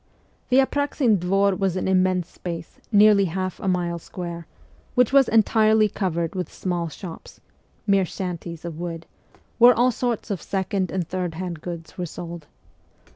The Apraxin Dvor was an immense space, nearly half a mile square, which was entirely covered w T ith small shops mere shanties of wood where all sorts of second and third hand goods were sold.